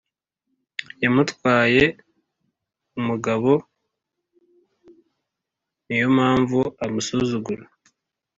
Yamutwaye umugabo niyompamvu amusuzugura